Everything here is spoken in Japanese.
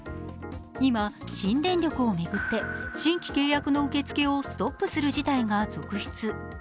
今、新電力を巡って新規契約の受付をストップする事態が続出。